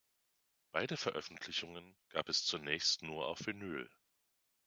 Beide Veröffentlichungen gab es zunächst nur auf Vinyl.